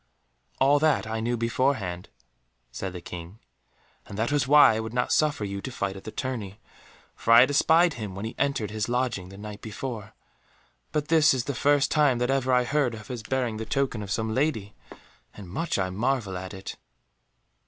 "All that I knew beforehand," said the King, "and that was why I would not suffer you to fight at the tourney, for I had espied him when he entered his lodging the night before. But this is the first time that ever I heard of his bearing the token of some lady, and much I marvel at it."